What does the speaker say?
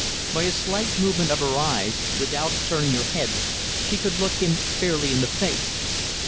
By a slight movement of her eyes, without turning her head, she could look him fairly in the face.